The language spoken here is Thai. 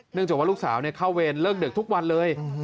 เนื่องจากว่าลูกสาวเนี่ยเข้าเวรเลิกเด็กทุกวันเลย